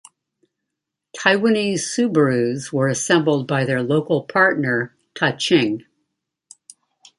Taiwanese Subarus were assembled by their local partner Ta Ching.